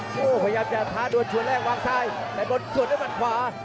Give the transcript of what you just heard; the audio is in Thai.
โอ้โหพยายามจะท้าดวนชวนแรกวางซ้ายแต่บนส่วนด้วยมัดขวา